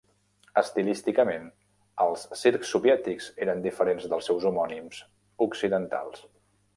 Estilísticament, els circs soviètics eren diferents dels seus homònims occidentals.